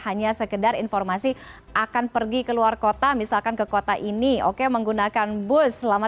hanya sekedar informasi akan pergi ke luar kota misalkan ke kota ini oke menggunakan bus selama